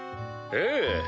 ええ。